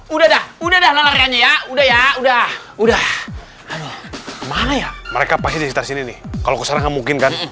udah udah udah udah udah udah udah udah udah mereka pasti kalau mungkin kan